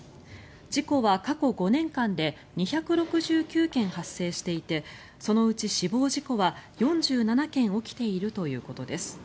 事故は過去５年間で２６９件発生していてそのうち死亡事故は４７件起きているということです。